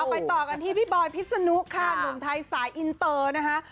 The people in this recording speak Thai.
ไปต่อกันที่พี่บอยพิษนุค่ะหนุ่มไทยสายอินเตอร์นะคะ